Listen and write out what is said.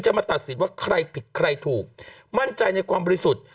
มาตัดสินว่าใครผิดใครถูกมั่นใจในความบริสุทธิ์